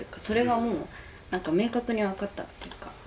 それがもう明確に分かったっていうか。